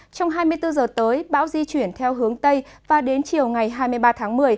trong hai mươi bốn giờ tới bão di chuyển theo hướng tây và đến chiều ngày hai mươi ba tháng một mươi